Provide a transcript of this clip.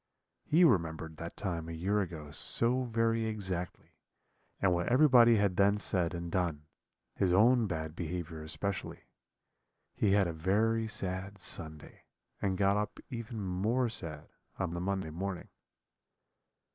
He remembered that time a year ago so very exactly, and what everybody had then said and done his own bad behaviour especially. He had a very sad Sunday, and got up even more sad on the Monday morning.